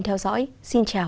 theo dõi xin chào và hẹn gặp lại